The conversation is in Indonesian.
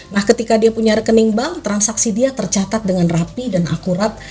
nah ketika dia punya rekening bank transaksi dia tercatat dengan rapi dan akurat